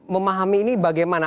memahami ini bagaimana